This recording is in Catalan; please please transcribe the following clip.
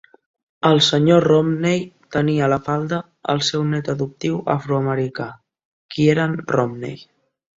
El Sr. Romney tenia a la falda el seu net adoptiu afroamericà, Kieran Romney.